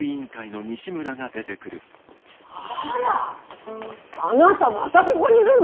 あらあなたまたここにいるの？